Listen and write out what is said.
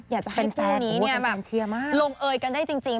อยากจะให้พวกนี้แบบโรงเอยกันได้จริง